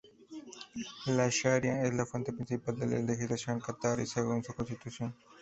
La sharia es la fuente principal de la legislación catarí según su Constitución.